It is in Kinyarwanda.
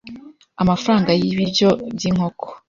amafaranga y’ibiryo by’inkoko